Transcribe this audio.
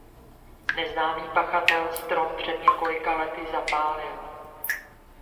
Neznámý pachatel strom před několika lety zapálil.